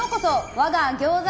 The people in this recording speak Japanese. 我が餃子